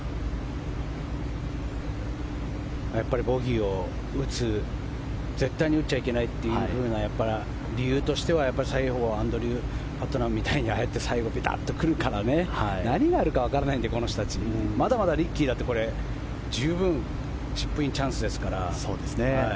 やっぱりボギーを絶対に打っちゃいけないという理由としては最後はアンドルー・パットナムみたいにああやって最後にベターと来るから何があるかわからないからまだまだリッキーだって十分チップインチャンスですから。